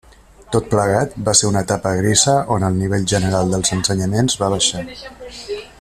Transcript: Tot plegat, va ser una etapa grisa on el nivell general dels ensenyaments va baixar.